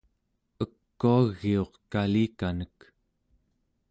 ekuagiuq kalikanek